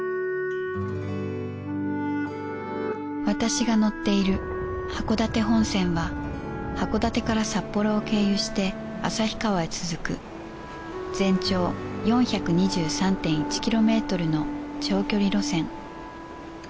私が乗っている函館本線は函館から札幌を経由して旭川へ続く全長 ４２３．１ キロメートルの長距離路線。